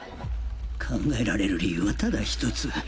考えられる理由はただ１つ。